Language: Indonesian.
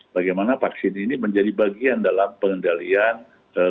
bagaimana vaksin ini menjadi bagian dalam pengendalian covid sembilan belas ini